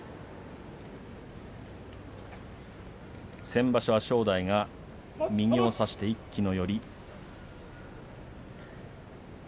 先場所は正代が右を差して一気の寄り。